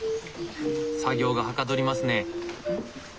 作業がはかどりますね。